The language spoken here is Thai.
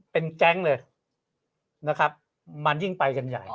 เป็นแจ๊งเลยมันยิ่งไปกันใหญ่